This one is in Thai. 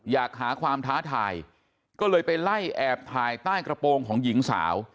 อยากหาความท้าทายก็เลยไปไล่แอบถ่ายใต้กระโปรงของหญิงสาว